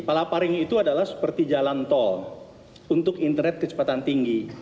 palaparing itu adalah seperti jalan tol untuk internet kecepatan tinggi